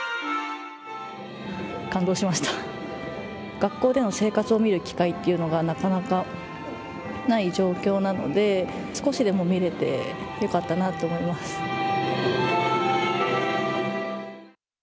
学校での生活を見る機会というのが、なかなかない状況なので少しでも見れてよかったなと思います。